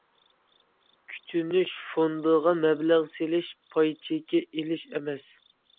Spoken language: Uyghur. كۈتۈنۈش فوندىغا مەبلەغ سېلىش پاي چېكى ئېلىش ئەمەس.